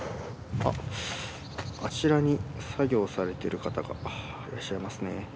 あっあちらに作業されてる方がいらっしゃいますね。